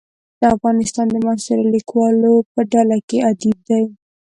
د افغانستان د معاصرو لیکوالو په ډله کې ادیب دی.